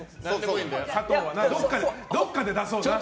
どこかで出そうな。